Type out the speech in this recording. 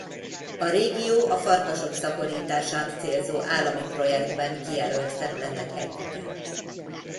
A régió a farkasok szaporítását célzó állami projektben kijelölt területek egyike.